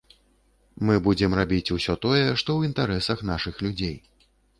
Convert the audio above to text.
Мы будзем рабіць усё тое, што ў інтарэсах нашых людзей.